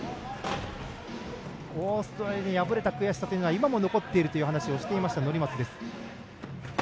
オーストラリアに敗れた悔しさというのは今も残っていると話していた乗松。